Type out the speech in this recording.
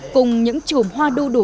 cùng những chuồng hoa đu đủ